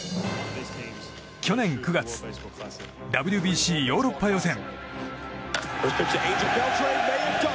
去年９月ＷＢＣヨーロッパ予選。